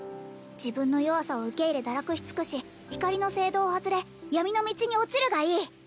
自分の弱さを受け入れ堕落しつくし光の正道を外れ闇の道に落ちるがいい